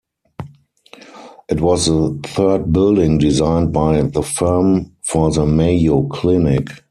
It was the third building designed by the firm for the Mayo Clinic.